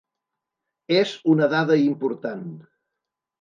És una dada important.